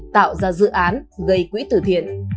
tạo ra dự án gây quỹ từ thiện